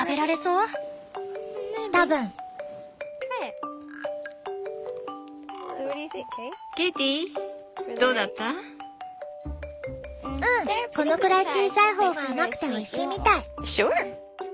うんこのくらい小さい方が甘くておいしいみたい。